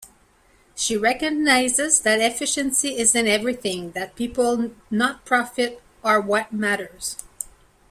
She recognises that efficiency isn't everything, that people not profit are what matters.